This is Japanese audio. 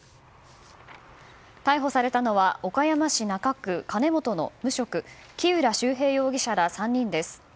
逮捕されたのは岡山市中区の無職、木浦修平容疑者ら３人です。